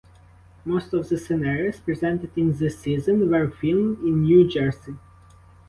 Most of the scenarios presented in the season were filmed in New Jersey.